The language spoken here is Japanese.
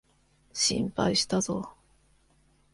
心配したぞ。